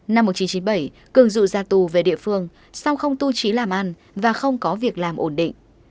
năm một nghìn chín trăm chín mươi bảy cường dụ ra tù về địa phương sau không tu trí làm ăn và không có việc làm ổn định